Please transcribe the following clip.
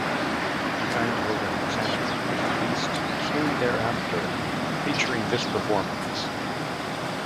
"The Eindhoven Insanity" was released soon thereafter, featuring this performance.